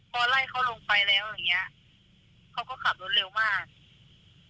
พอไล่เขาลงไปแล้วอย่างเงี้ยเขาก็ขับรถเร็วมาก